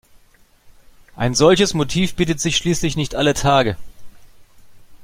Ein solches Motiv bietet sich schließlich nicht alle Tage.